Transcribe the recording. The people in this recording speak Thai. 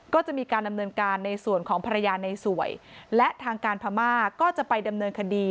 ก็จะมีการดำเนินการในส่วนของภรรยาในสวยและทางการพม่าก็จะไปดำเนินคดี